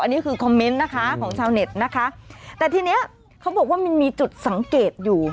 อันนี้คือคอมเมนต์นะคะของชาวเน็ตนะคะแต่ทีเนี้ยเขาบอกว่ามันมีจุดสังเกตอยู่